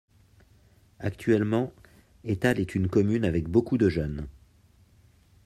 Actuellement, Étalle est une commune avec beaucoup de jeunes.